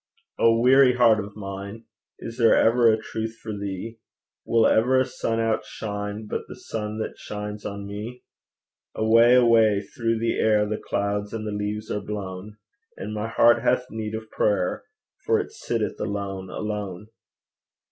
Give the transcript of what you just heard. O weary heart of mine, Is there ever a truth for thee? Will ever a sun outshine But the sun that shines on me? Away, away through the air The clouds and the leaves are blown; And my heart hath need of prayer, For it sitteth alone, alone.